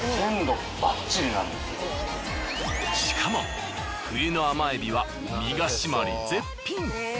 しかも冬の甘エビは身がしまり絶品。